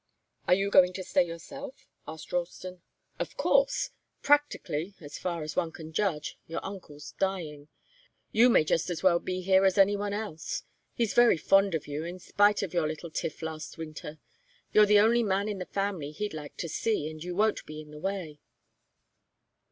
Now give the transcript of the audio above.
"Are you going to stay yourself?" asked Ralston. "Of course. Practically, as far as one can judge, your uncle's dying. You may just as well be here as any one else. He's very fond of you, in spite of your little tiff last winter. You're the only man in the family he'd like to see, and you won't be in the way."